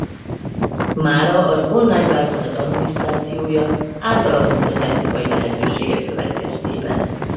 Mára az online változat adminisztrációja átalakult a technikai lehetőségek következtében.